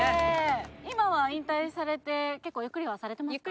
今は引退されて結構ゆっくりはされてますか？